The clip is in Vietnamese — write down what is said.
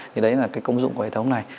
thì đấy là cái công dụng của hệ thống này